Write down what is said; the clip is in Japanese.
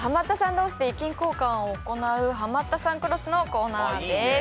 同士で意見交換を行う「ハマったさんクロス」のコーナーです。